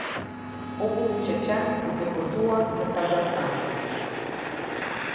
Populli çeçen u deportua në Kazastan.